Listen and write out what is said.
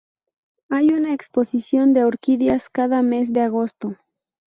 Hay una exposición de orquídeas cada mes de agosto.